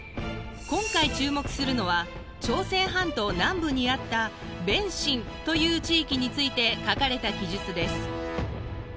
今回注目するのは朝鮮半島南部にあった弁辰という地域について書かれた記述です。